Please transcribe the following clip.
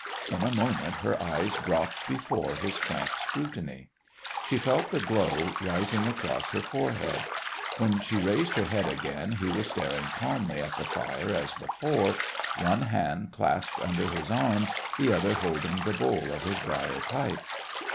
In a moment her eyes dropped before his frank scrutiny. She felt the glow rising across her forehead. When she raised her head again he was staring calmly at the fire as before, one hand clasped under his arm, the other holding the bowl of his brier pipe.